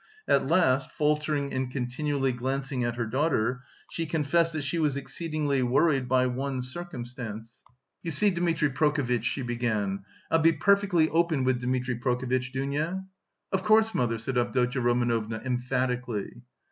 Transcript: At last, faltering and continually glancing at her daughter, she confessed that she was exceedingly worried by one circumstance. "You see, Dmitri Prokofitch," she began. "I'll be perfectly open with Dmitri Prokofitch, Dounia?" "Of course, mother," said Avdotya Romanovna emphatically.